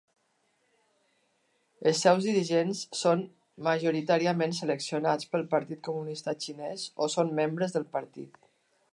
Els seus dirigents són majoritàriament seleccionats pel Partit Comunista Xinès, o són membres del partit.